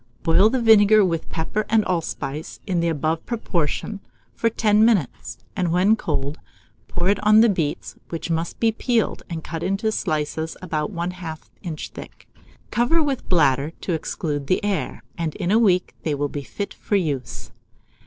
Boil the vinegar with pepper and allspice, in the above proportion, for ten minutes, and when cold, pour it on the beets, which must be peeled and cut into slices about 1/2 inch thick. Cover with bladder to exclude the air, and in a week they will be fit for use.